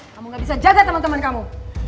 kamu gak bisa jaga temen temen kamu